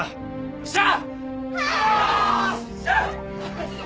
よっしゃ！